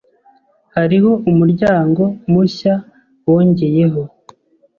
Hariho umuryango mushya wongeyeho.